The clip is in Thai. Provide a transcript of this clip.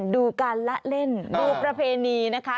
ดูการละเล่นดูประเพณีนะคะ